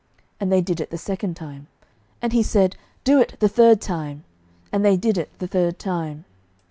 And they did it the second time. And he said, Do it the third time. And they did it the third time.